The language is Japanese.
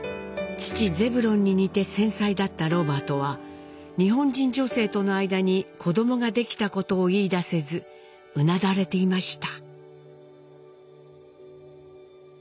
父ゼブロンに似て繊細だったロバートは日本人女性との間に子どもができたことを言いだせずうなだれていました。